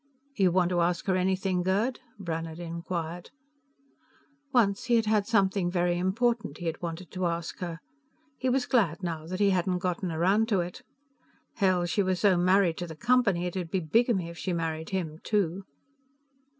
"You want to ask her anything, Gerd?" Brannhard inquired. Once he had had something very important he had wanted to ask her. He was glad, now, that he hadn't gotten around to it. Hell, she was so married to the Company it'd be bigamy if she married him too.